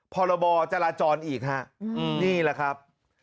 พรบจราจรอีกฮะนี่แหละครับ